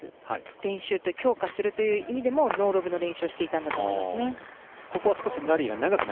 練習を強化するという意味でもノーロブの練習をしていたんだと思います。